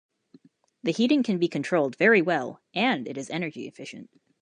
The heating can be controlled very well, and it is energy efficient.